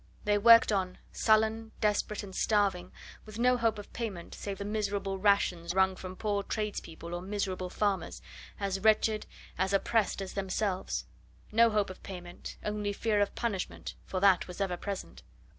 They worked on sullen, desperate, and starving, with no hope of payment save the miserable rations wrung from poor tradespeople or miserable farmers, as wretched, as oppressed as themselves; no hope of payment, only fear of punishment, for that was ever present.